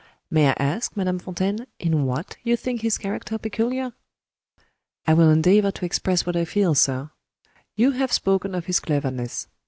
"May I ask, Madame Fontaine, in what you think his character peculiar?" "I will endeavor to express what I feel, sir. You have spoken of his cleverness.